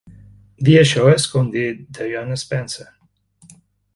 Dir això és com dir Diana Spencer.